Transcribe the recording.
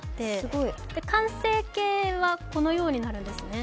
完成形はこのようになるんですね。